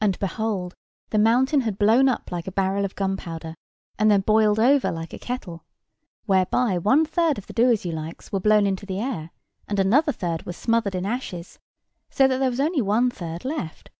And behold the mountain had blown up like a barrel of gunpowder, and then boiled over like a kettle; whereby one third of the Doasyoulikes were blown into the air, and another third were smothered in ashes; so that there was only one third left.